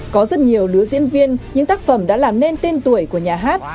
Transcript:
có rất nhiều lứa diễn viên những tác phẩm đã làm nên tên tuổi của nhà hát